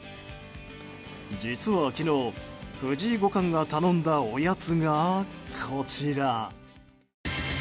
実は昨日、藤井五冠が頼んだおやつがこちら。